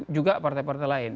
juga partai partai lain